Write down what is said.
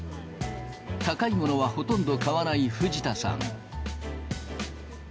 高いものはほとんど買わない藤田さん。